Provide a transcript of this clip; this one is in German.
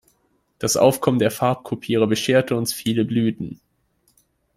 Das Aufkommen der Farbkopierer bescherte uns viele Blüten.